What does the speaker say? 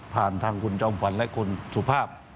ผ่านทางคุณจอมฝันและคุณสุภาพ